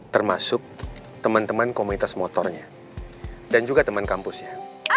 termasuk teman teman komunitas motornya dan juga teman kampusnya